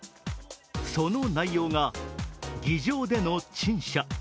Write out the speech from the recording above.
その内容が、議場での陳謝。